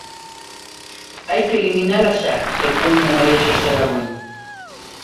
"Hai que eliminala xa", secunda María Xosé Abuín.